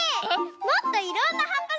もっといろんなはっぱ